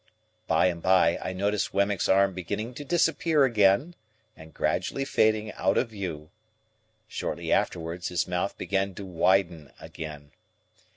By and by, I noticed Wemmick's arm beginning to disappear again, and gradually fading out of view. Shortly afterwards, his mouth began to widen again.